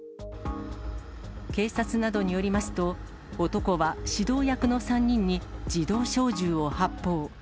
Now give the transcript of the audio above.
警察などによりますと、男は指導役の３人に自動小銃を発砲。